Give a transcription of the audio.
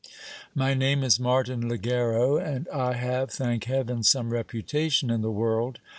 My name is Martin Ligero, and I have, thank heaven, some reputation in the world.